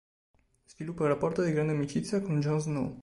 Sviluppa un rapporto di grande amicizia con Jon Snow.